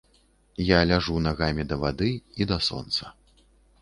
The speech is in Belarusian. Я ляжу нагамі да вады і да сонца.